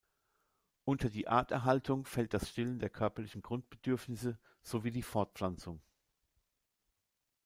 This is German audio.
Unter die Arterhaltung fällt das Stillen der körperlichen Grundbedürfnisse sowie die Fortpflanzung.